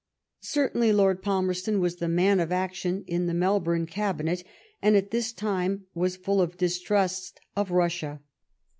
Certainly Lord Palmerston was the man of action in the Melbourne Cabinet, and at this time was full of distrust of Bussia.